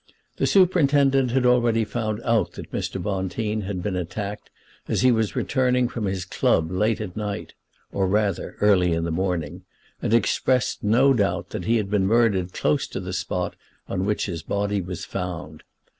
The superintendent had already found out that Mr. Bonteen had been attacked as he was returning from his club late at night, or rather, early in the morning, and expressed no doubt that he had been murdered close to the spot on which his body was found.